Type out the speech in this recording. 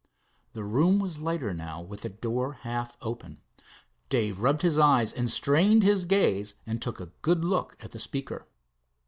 The room was lighter now, with the door half open. Dave rubbed his eyes and strained his gaze, and took a good look at the speaker.